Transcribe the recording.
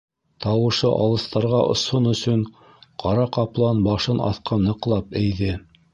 Тауышы алыҫтарға осһон өсөн ҡара ҡаплан башын аҫҡа ныҡлап эйҙе.